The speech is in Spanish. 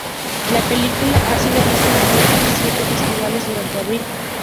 La película ha sido vista en diferentes siete festivales durante abril.